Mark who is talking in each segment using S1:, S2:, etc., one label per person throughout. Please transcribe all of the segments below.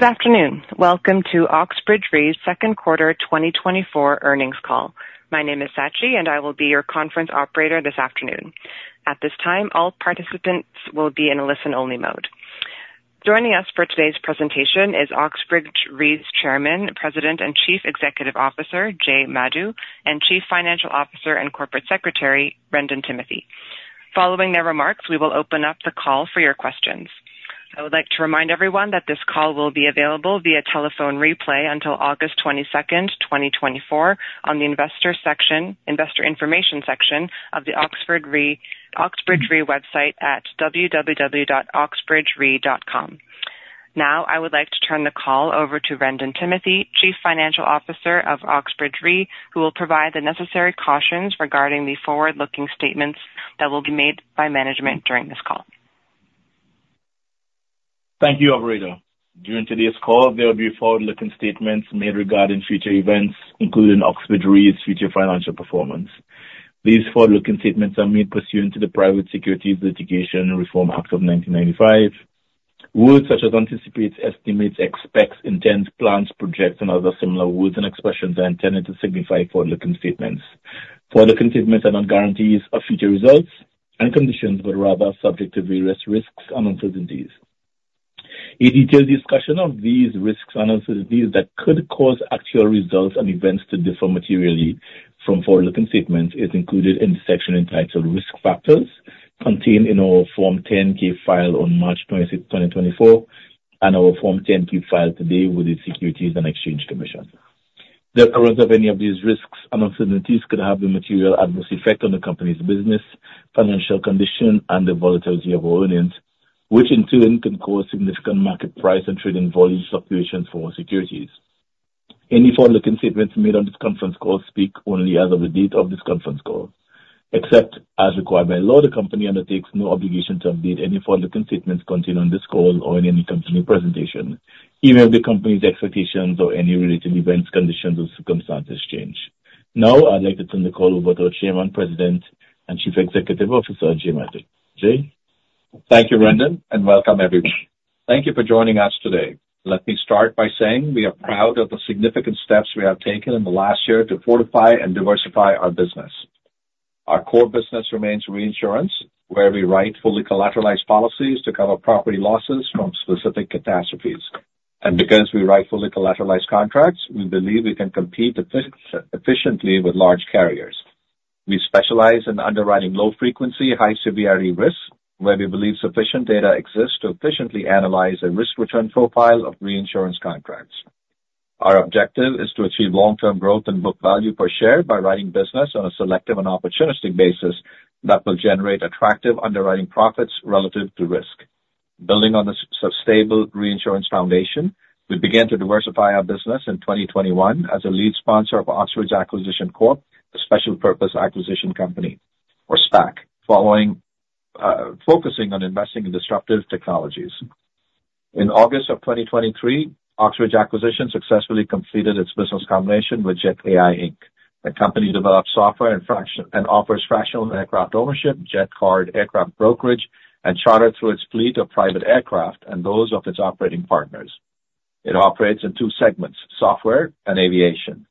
S1: Good afternoon. Welcome to Oxbridge Re's second quarter 2024 earnings call. My name is Sachi, and I will be your conference operator this afternoon. At this time, all participants will be in a listen-only mode. Joining us for today's presentation is Oxbridge Re's Chairman, President, and Chief Executive Officer, Jay Madhu, and Chief Financial Officer and Corporate Secretary, Wrendon Timothy. Following their remarks, we will open up the call for your questions. I would like to remind everyone that this call will be available via telephone replay until August 22nd, 2024, on the investor section-- investor information section of the Oxford Re- Oxbridge Re website at www.oxbridgere.com. Now, I would like to turn the call over to Wrendon Timothy, Chief Financial Officer of Oxbridge Re, who will provide the necessary cautions regarding the forward-looking statements that will be made by management during this call.
S2: Thank you, operator. During today's call, there will be forward-looking statements made regarding future events, including Oxbridge Re's future financial performance. These forward-looking statements are made pursuant to the Private Securities Litigation Reform Act of 1995. Words such as anticipates, estimates, expects, intends, plans, projects, and other similar words and expressions are intended to signify forward-looking statements. Forward-looking statements are not guarantees of future results and conditions, but rather subject to various risks and uncertainties. A detailed discussion of these risks and uncertainties that could cause actual results and events to differ materially from forward-looking statements is included in the section entitled Risk Factors, contained in our Form 10-K filed on March 26, 2024, and our Form 10-K filed today with the Securities and Exchange Commission. The occurrence of any of these risks and uncertainties could have a material adverse effect on the company's business, financial condition, and the volatility of our earnings, which in turn can cause significant market price and trading volume fluctuations for our securities. Any forward-looking statements made on this conference call speak only as of the date of this conference call. Except as required by law, the company undertakes no obligation to update any forward-looking statements contained on this call or in any continuing presentation, even if the company's expectations or any related events, conditions, or circumstances change. Now, I'd like to turn the call over to our Chairman, President, and Chief Executive Officer, Jay Madhu. Jay?
S3: Thank you Wrendon, and welcome, everyone. Thank you for joining us today. Let me start by saying we are proud of the significant steps we have taken in the last year to fortify and diversify our business. Our core business remains reinsurance, where we write fully collateralized policies to cover property losses from specific catastrophes. And because we write fully collateralized contracts, we believe we can compete efficiently with large carriers. We specialize in underwriting low frequency, high severity risks, where we believe sufficient data exists to efficiently analyze a risk return profile of reinsurance contracts. Our objective is to achieve long-term growth and book value per share by writing business on a selective and opportunistic basis that will generate attractive underwriting profits relative to risk. Building on this stable reinsurance foundation, we began to diversify our business in 2021 as a lead sponsor of Oxbridge Acquisition Corp., a special purpose acquisition company, or SPAC, focusing on investing in disruptive technologies. In August of 2023, Oxbridge Acquisition successfully completed its business combination with Jet.AI Inc. The company develops software and fractional, and offers fractional aircraft ownership, jet card aircraft brokerage, and charter through its fleet of private aircraft and those of its operating partners. It operates in two segments: software and aviation.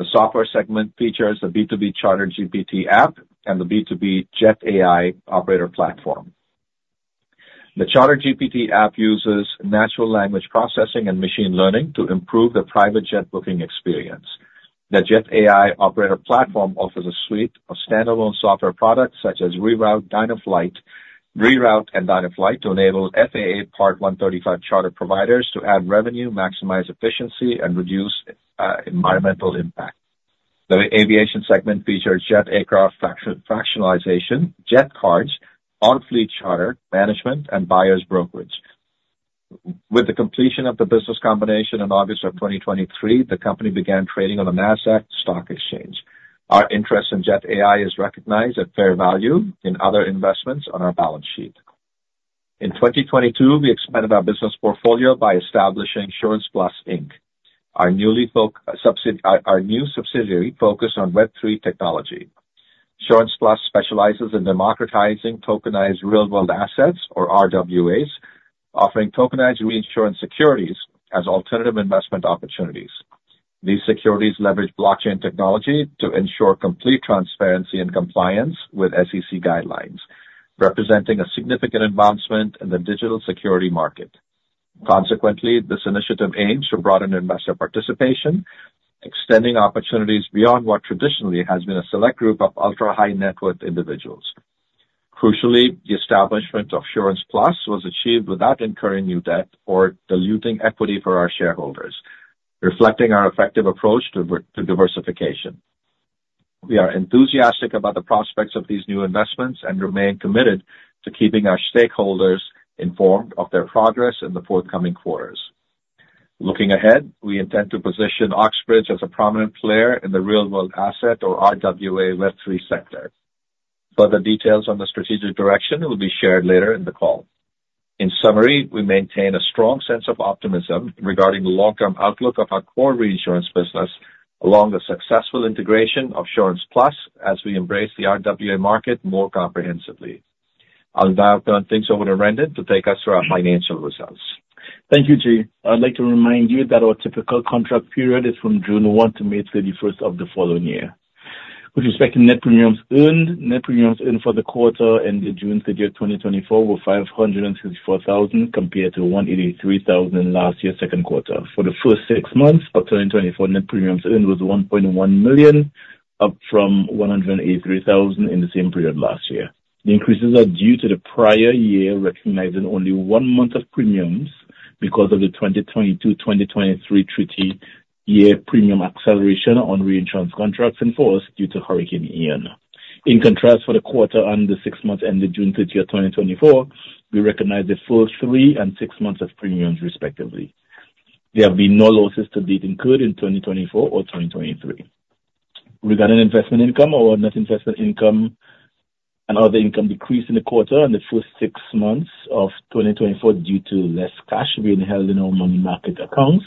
S3: The software segment features the B2B CharterGPT app and the B2B Jet.AI Operator Platform. The CharterGPT app uses natural language processing and machine learning to improve the private jet booking experience. The Jet.AI Operator Platform offers a suite of standalone software products such as Reroute, DynoFlight, Reroute and DynoFlight to enable FAA Part 135 charter providers to add revenue, maximize efficiency, and reduce environmental impact. The aviation segment features jet aircraft, fraction, fractionalization, jet cards, our fleet charter, management, and buyers brokerage. With the completion of the business combination in August 2023, the company began trading on the Nasdaq Stock Exchange. Our interest in Jet.AI is recognized at fair value in other investments on our balance sheet. In 2022, we expanded our business portfolio by establishing SurancePlus Inc., our new subsidiary focused on Web3 technology. SurancePlus specializes in democratizing tokenized real-world assets, or RWAs, offering tokenized reinsurance securities as alternative investment opportunities. These securities leverage blockchain technology to ensure complete transparency and compliance with SEC guidelines, representing a significant advancement in the digital security market. Consequently, this initiative aims to broaden investor participation, extending opportunities beyond what traditionally has been a select group of ultra-high net worth individuals. Crucially, the establishment of SurancePlus was achieved without incurring new debt or diluting equity for our shareholders, reflecting our effective approach to to diversification. We are enthusiastic about the prospects of these new investments and remain committed to keeping our stakeholders informed of their progress in the forthcoming quarters. Looking ahead, we intend to position Oxbridge as a prominent player in the real-world asset or RWA Web3 sector. Further details on the strategic direction will be shared later in the call. In summary, we maintain a strong sense of optimism regarding the long-term outlook of our core reinsurance business, along the successful integration of SurancePlus as we embrace the RWA market more comprehensively.... I'll now turn things over to Wrendon to take us through our financial results.
S2: Thank you, Jay. I'd like to remind you that our typical contract period is from June 1 to May 31st of the following year. With respect to net premiums earned, net premiums earned for the quarter ending June 30th, 2024 were $564,000, compared to $183,000 last year, second quarter. For the first six months of 2024, net premiums earned was $1.1 million, up from $183,000 in the same period last year. The increases are due to the prior year, recognizing only one month of premiums because of the 2022, 2023 treaty year premium acceleration on reinsurance contracts in force due to Hurricane Ian. In contrast, for the quarter and the six months ending June 30th, 2024, we recognized the first three and six months of premiums, respectively. There have been no losses to date incurred in 2024 or 2023. Regarding investment income, our net investment income and other income decreased in the quarter and the first six months of 2024 due to less cash being held in our money market accounts.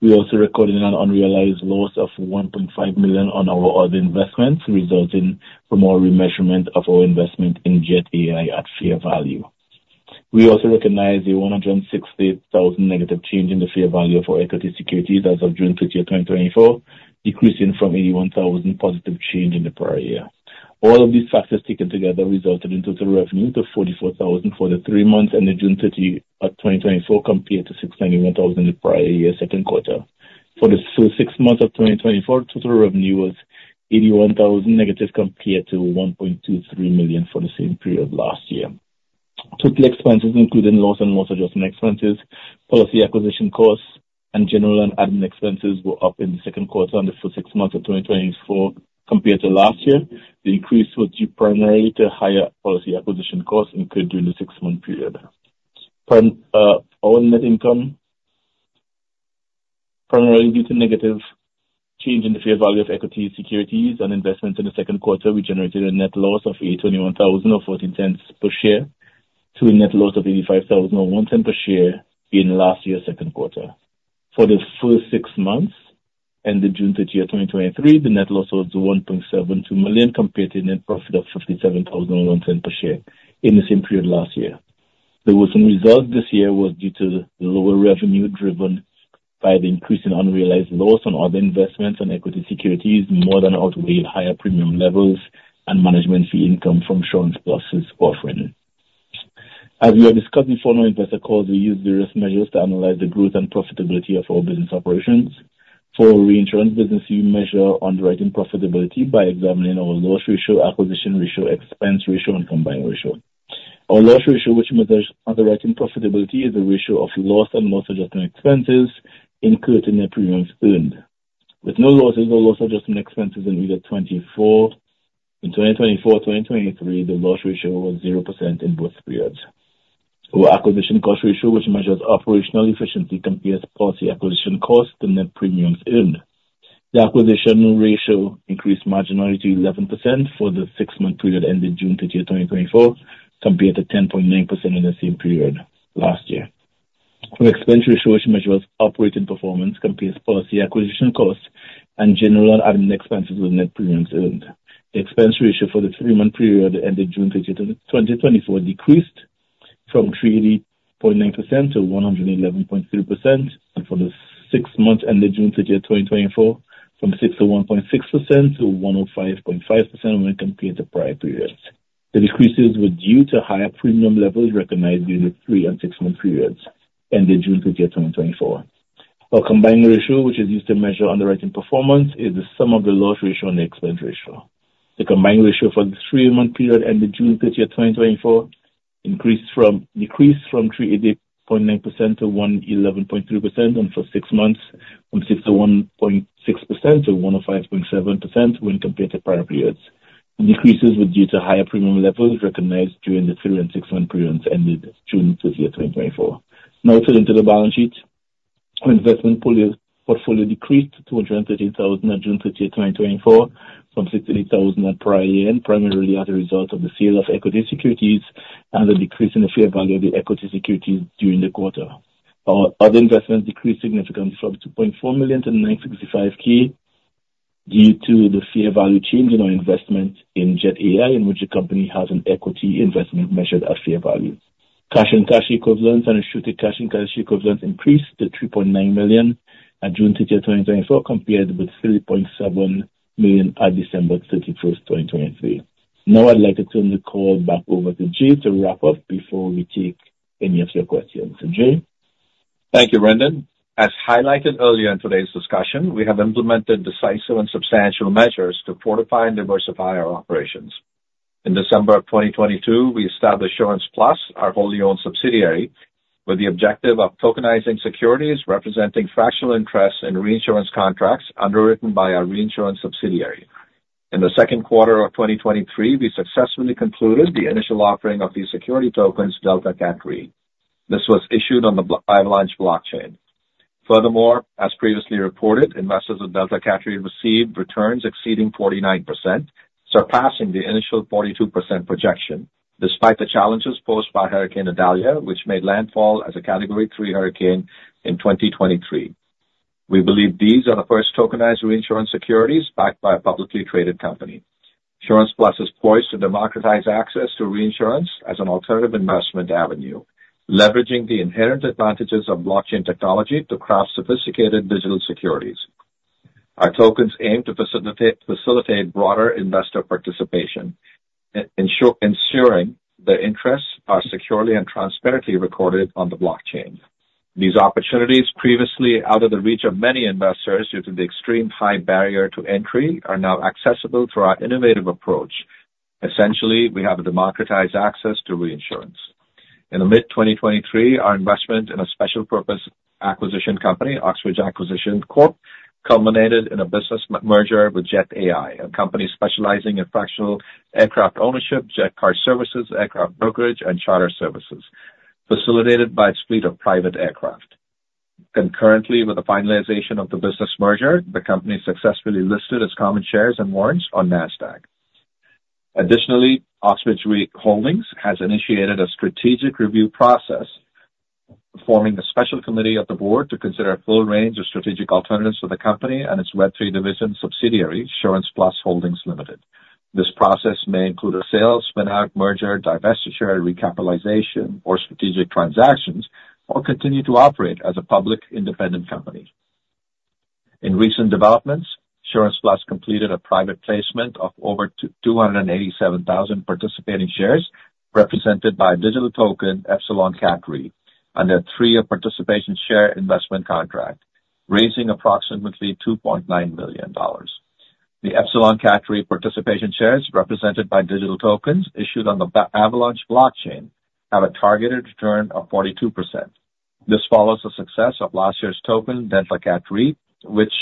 S2: We also recorded an unrealized loss of $1.5 million on our other investments, resulting from our remeasurement of our investment in Jet.AI at fair value. We also recognized a $168,000 negative change in the fair value of our equity securities as of June 30, 2024, decreasing from $81,000 positive change in the prior year. All of these factors taken together resulted in total revenue to $44,000 for the three months ending June 30 of 2024, compared to $691,000 in the prior year, second quarter. For the first six months of 2024, total revenue was -$81,000, compared to $1.23 million for the same period last year. Total expenses, including loss and loss adjustment expenses, policy acquisition costs, and general and admin expenses were up in the second quarter and the first six months of 2024 compared to last year. The increase was due primarily to higher policy acquisition costs incurred during the six-month period. From our net income, primarily due to negative change in the fair value of equity, securities, and investments in the second quarter, we generated a net loss of $81,000 or $0.14 per share, to a net loss of $85,000 or $0.01 per share in last year's second quarter. For the first six months ended June 30, 2023, the net loss was $1.72 million, compared to net profit of $57,000, $0.01 per share in the same period last year. The result this year was due to the lower revenue, driven by the increase in unrealized loss on other investments and equity securities, more than outweighed higher premium levels and management fee income from SurancePlus's offering. As we have discussed in former investor calls, we use various measures to analyze the growth and profitability of our business operations. For our reinsurance business, we measure underwriting profitability by examining our loss ratio, acquisition ratio, expense ratio, and combined ratio. Our loss ratio, which measures underwriting profitability, is the ratio of loss and loss adjustment expenses incurred to their premiums earned. With no losses or loss adjustment expenses in either twenty-four... In 2024, 2023, the loss ratio was 0% in both periods. Our acquisition cost ratio, which measures operational efficiency, compares policy acquisition costs to net premiums earned. The acquisition ratio increased marginally to 11% for the six-month period ending June 30th, 2024, compared to 10.9% in the same period last year. Our expense ratio, which measures operating performance, compares policy acquisition costs and general and admin expenses with net premiums earned. The expense ratio for the three-month period ending June 30th, 2024, decreased from 3.9% to 111.3%, and for the six months ended June 30th, 2024, from 61.6% to 105.5% when compared to prior periods. The decreases were due to higher premium levels recognized during the three- and six-month periods ending June 30, 2024. Our combined ratio, which is used to measure underwriting performance, is the sum of the loss ratio and the expense ratio. The combined ratio for the three-month period ending June 30, 2024, decreased from 380.9% to 111.3%, and for six months, from 61.6% to 105.7% when compared to prior periods. The decreases were due to higher premium levels recognized during the three- and six-month periods ended June 30, 2024. Now, turning to the balance sheet, our investment portfolio decreased to $213,000 at June 30, 2024, from $68,000 at prior year, primarily as a result of the sale of equity securities and the decrease in the fair value of the equity securities during the quarter. Our other investment decreased significantly from $2.4 million to $965,000, due to the fair value change in our investment in Jet.AI, in which the company has an equity investment measured at fair value. Cash and cash equivalents and restricted cash and cash equivalents increased to $380.9 million at June 30, 2024, compared with $3.7 million at December 31, 2023. Now, I'd like to turn the call back over to Jay to wrap up before we take any of your questions. Jay?
S3: Thank you, Wrendon. As highlighted earlier in today's discussion, we have implemented decisive and substantial measures to fortify and diversify our operations. In December of 2022, we established SurancePlus, our wholly-owned subsidiary, with the objective of tokenizing securities representing fractional interests in reinsurance contracts underwritten by our reinsurance subsidiary. In the second quarter of 2023, we successfully concluded the initial offering of these security tokens, DeltaCat Re. This was issued on the Avalanche blockchain. Furthermore, as previously reported, investors of DeltaCat Re received returns exceeding 49%, surpassing the initial 42% projection, despite the challenges posed by Hurricane Idalia, which made landfall as a Category 3 hurricane in 2023. We believe these are the first tokenized reinsurance securities backed by a publicly traded company. SurancePlus is poised to democratize access to reinsurance as an alternative investment avenue, leveraging the inherent advantages of blockchain technology to craft sophisticated digital securities. Our tokens aim to facilitate broader investor participation, ensuring their interests are securely and transparently recorded on the blockchain. These opportunities, previously out of the reach of many investors due to the extreme high barrier to entry, are now accessible through our innovative approach. Essentially, we have a democratized access to reinsurance. In mid-2023, our investment in a special purpose acquisition company, Oxbridge Acquisition Corp, culminated in a business merger with Jet.AI, a company specializing in fractional aircraft ownership, jet card services, aircraft brokerage, and charter services, facilitated by its fleet of private aircraft. Concurrently, with the finalization of the business merger, the company successfully listed its common shares and warrants on Nasdaq. Additionally, Oxbridge Re Holdings has initiated a strategic review process, forming a special committee of the board to consider a full range of strategic alternatives for the company and its Web3 division subsidiary, SurancePlus Inc. This process may include a sales spin-out, merger, divestiture, recapitalization, or strategic transactions, or continue to operate as a public independent company. In recent developments, SurancePlus completed a private placement of over 287,000 participating shares, represented by digital token EpsilonCat Re, under a three-year participation share investment contract, raising approximately $2.9 million. The EpsilonCat Re participation shares, represented by digital tokens issued on the Avalanche blockchain, have a targeted return of 42%. This follows the success of last year's token, DeltaCat Re, which,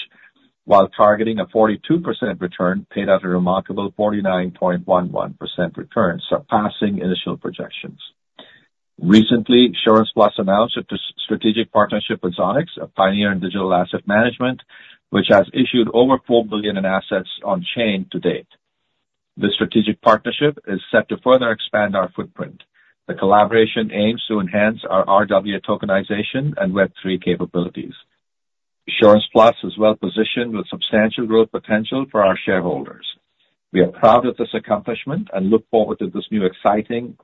S3: while targeting a 42% return, paid out a remarkable 49.11% return, surpassing initial projections. Recently, SurancePlus announced a strategic partnership with Zoniqx, a pioneer in digital asset management, which has issued over $4 billion in assets on chain to date. This strategic partnership is set to further expand our footprint. The collaboration aims to enhance our RWA tokenization and Web3 capabilities. SurancePlus is well positioned with substantial growth potential for our shareholders. We are proud of this accomplishment and look forward to this new, exciting,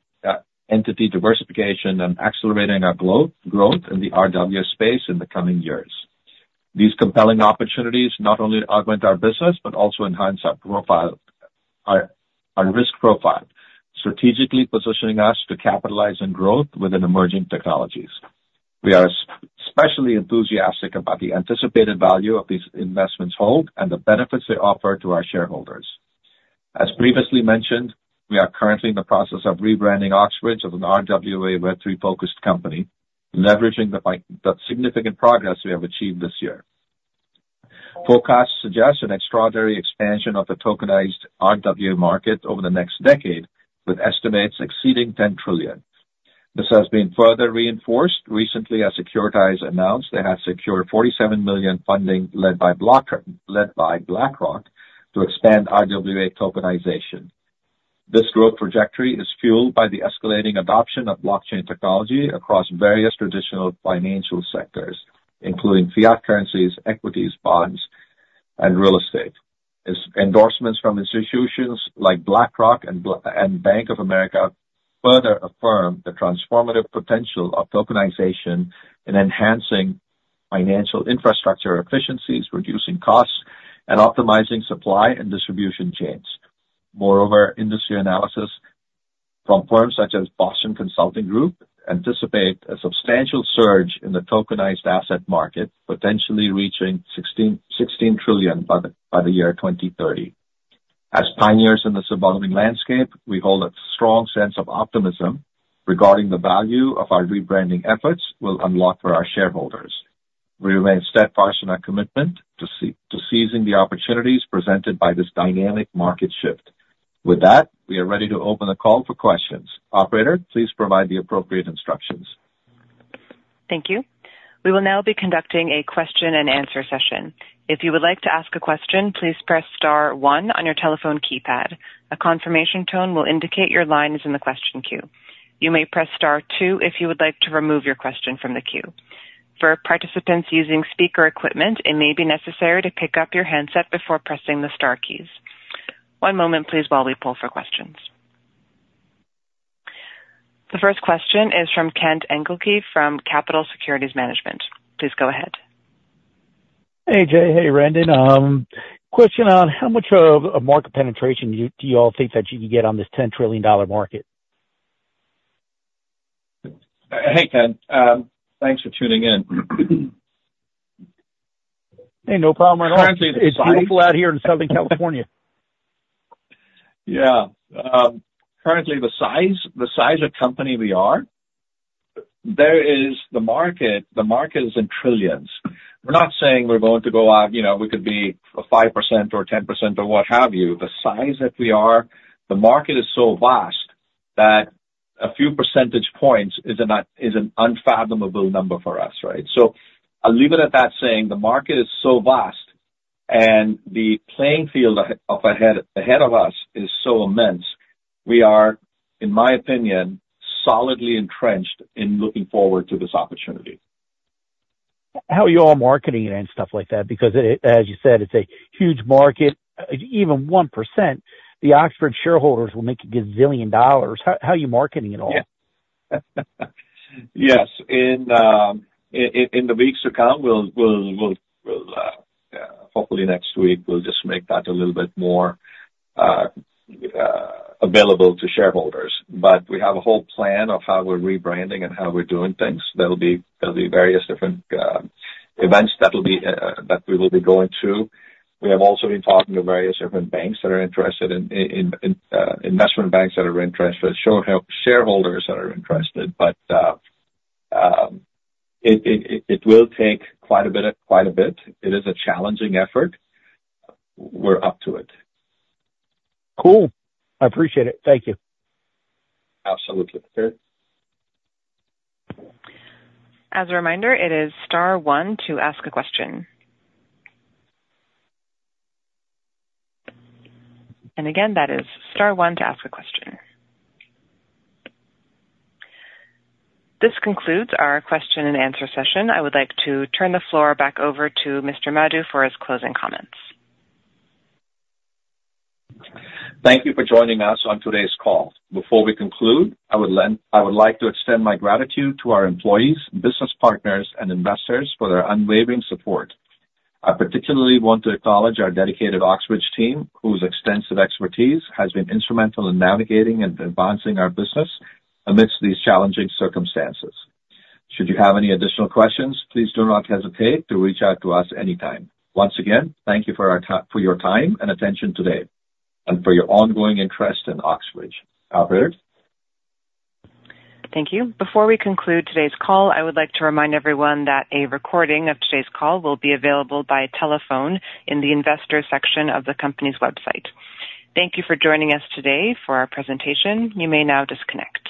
S3: entity diversification and accelerating our growth in the RWA space in the coming years. These compelling opportunities not only augment our business, but also enhance our profile, our, our risk profile, strategically positioning us to capitalize on growth within emerging technologies. We are especially enthusiastic about the anticipated value of these investments hold and the benefits they offer to our shareholders. As previously mentioned, we are currently in the process of rebranding Oxbridge as an RWA Web3-focused company, leveraging the significant progress we have achieved this year. Forecasts suggest an extraordinary expansion of the tokenized RWA market over the next decade, with estimates exceeding $10 trillion. This has been further reinforced recently, as Securitize announced it has secured $47 million funding, led by BlackRock, to expand RWA tokenization. This growth trajectory is fueled by the escalating adoption of blockchain technology across various traditional financial sectors, including fiat currencies, equities, bonds, and real estate. As endorsements from institutions like BlackRock and Bank of America further affirm the transformative potential of tokenization in enhancing financial infrastructure efficiencies, reducing costs, and optimizing supply and distribution chains. Moreover, industry analysis from firms such as Boston Consulting Group anticipate a substantial surge in the tokenized asset market, potentially reaching $16 trillion by the year 2030. As pioneers in this evolving landscape, we hold a strong sense of optimism regarding the value of our rebranding efforts will unlock for our shareholders. We remain steadfast in our commitment to seizing the opportunities presented by this dynamic market shift. With that, we are ready to open the call for questions. Operator, please provide the appropriate instructions.
S1: Thank you. We will now be conducting a question and answer session. If you would like to ask a question, please press star one on your telephone keypad. A confirmation tone will indicate your line is in the question queue. You may press star two if you would like to remove your question from the queue. For participants using speaker equipment, it may be necessary to pick up your handset before pressing the star keys. One moment, please, while we pull for questions. The first question is from Kent Engelke from Capitol Securities Management. Please go ahead.
S4: Hey, Jay. Hey, Wrendon. Question on how much of a market penetration do you, do you all think that you can get on this $10 trillion market?
S3: Hey, Ken. Thanks for tuning in.
S4: Hey, no problem at all.
S3: Currently-.
S4: It's beautiful out here in Southern California.
S3: Yeah. Currently the size, the size of company we are, there is the market, the market is in trillions. We're not saying we're going to go out, you know, we could be a 5% or 10% or what have you. The size that we are, the market is so vast that a few percentage points is an unfathomable number for us, right? So I'll leave it at that, saying the market is so vast and the playing field up ahead of us is so immense. We are, in my opinion, solidly entrenched in looking forward to this opportunity.
S4: How are you all marketing it and stuff like that? Because it, as you said, it's a huge market. Even 1%, the Oxbridge shareholders will make a gazillion dollars. How, how are you marketing it all?
S3: Yes. In the weeks to come, we'll hopefully next week, we'll just make that a little bit more available to shareholders. But we have a whole plan of how we're rebranding and how we're doing things. There'll be various different events that'll be that we will be going through. We have also been talking to various different banks that are interested in investment banks that are interested, shareholders that are interested. But it will take quite a bit, quite a bit. It is a challenging effort. We're up to it.
S4: Cool! I appreciate it. Thank you.
S3: Absolutely. Sure.
S1: As a reminder, it is star one to ask a question. And again, that is star one to ask a question. This concludes our question and answer session. I would like to turn the floor back over to Mr. Madhu for his closing comments.
S3: Thank you for joining us on today's call. Before we conclude, I would like to extend my gratitude to our employees, business partners, and investors for their unwavering support. I particularly want to acknowledge our dedicated Oxbridge team, whose extensive expertise has been instrumental in navigating and advancing our business amidst these challenging circumstances. Should you have any additional questions, please do not hesitate to reach out to us anytime. Once again, thank you for your time and attention today, and for your ongoing interest in Oxbridge. Operator?
S1: Thank you. Before we conclude today's call, I would like to remind everyone that a recording of today's call will be available by telephone in the Investors section of the company's website. Thank you for joining us today for our presentation. You may now disconnect.